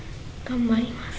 頑張ります。